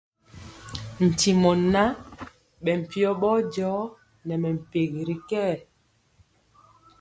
Ntimɔ ŋan, bɛ mpiɔ bɔjɔ nɛ mɛmpɛgi y kɛɛ.